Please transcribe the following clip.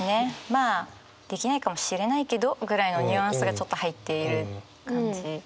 「まあできないかもしれないけど」ぐらいのニュアンスがちょっと入っている感じ。